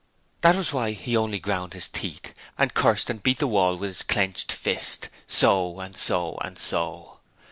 That was why he only ground his teeth and cursed and beat the wall with his clenched fist. So! and so! and so!